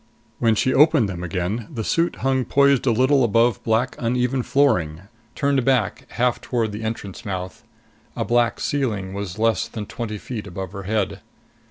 When she opened them again, the suit hung poised a little above black uneven flooring, turned back half toward the entrance mouth. A black ceiling was less than twenty feet above her head.